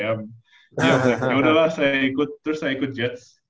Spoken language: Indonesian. ya udahlah terus saya ikut jets